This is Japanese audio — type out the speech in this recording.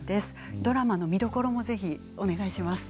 ドラマの見どころもぜひお願いします。